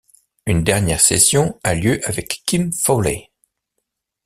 Une dernière session a lieu avec Kim Fowley.